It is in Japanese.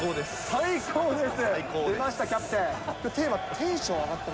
最高です。